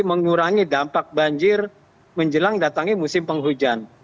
mengurangi dampak banjir menjelang datangnya musim penghujan